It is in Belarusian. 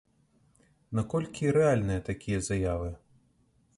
Наколькі рэальныя такія заявы?